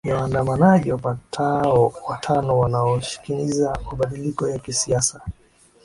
ya waandamanaji wapatao watano wanaoshinikiza mabadiliko ya kisiasa